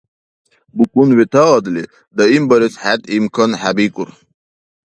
БукӀун ветаадли, даимбарес хӀед имкан хӀебикӀур.